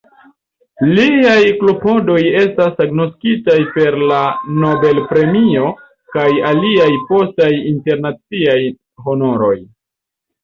Liaj klopodoj estas agnoskitaj per la Nobel-premio kaj aliaj postaj internaciaj honoroj.